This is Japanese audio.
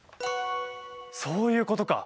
そういうことか。